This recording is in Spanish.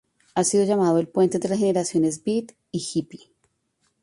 Ha sido llamado el puente entre las generaciones Beat y Hippie.